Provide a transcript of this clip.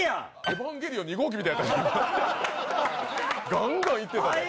ガンガンいってたで。